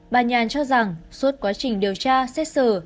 bà nhàn cho rằng suốt quá trình điều tra xét xử